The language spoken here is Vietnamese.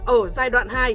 ở giai đoạn hai